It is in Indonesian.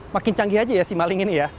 makin canggih aja ya si maling ini ya